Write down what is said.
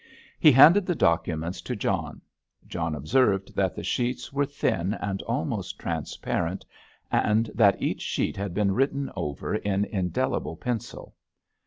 He handed the documents to John. John observed that the sheets were thin and almost transparent, and that each sheet had been written over in indelible pencil.